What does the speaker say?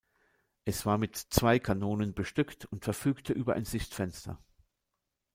Es war mit zwei Kanonen bestückt und verfügte über ein Sichtfenster.